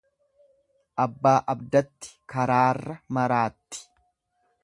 Abbaa abdatti karaarra maraatti.